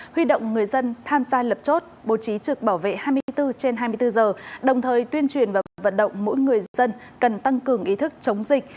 huy động người dân tham gia lập chốt bố trí trực bảo vệ hai mươi bốn trên hai mươi bốn giờ đồng thời tuyên truyền và vận động mỗi người dân cần tăng cường ý thức chống dịch